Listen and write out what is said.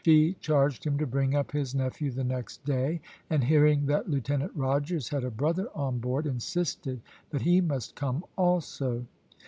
She charged him to bring up his nephew the next day; and hearing that Lieutenant Rogers had a brother on board, insisted that he must come also.